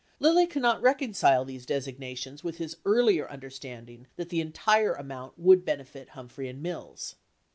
Lilly cannot reconcile these designations with his earlier understanding that, the entire amount would benefit Humphrey and Mills.